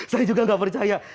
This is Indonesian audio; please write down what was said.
saya juga gak percaya